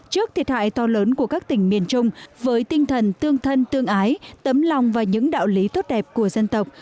trước thiệt hại to lớn của các tỉnh miền trung với tinh thần tương thân tương ái tấm lòng và những đạo lý tốt đẹp của dân tộc